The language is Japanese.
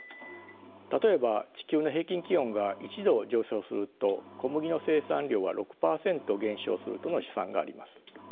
例えば地球の平均気温が１度上昇すると小麦の生産量は６％減少するとの試算があります。